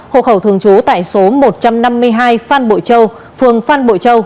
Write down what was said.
hộ khẩu thường trú tại số một trăm năm mươi hai phan bội châu phường phan bội châu